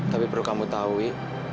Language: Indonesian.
tapi perlu kamu taui